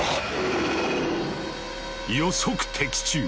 予測的中！